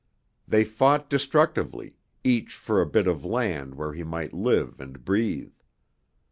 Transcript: They fought destructively, each for a bit of land where he might live and breathe.